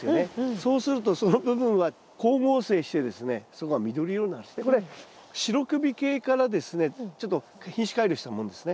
そうするとその部分はこれ白首系からですねちょっと品種改良したものですね。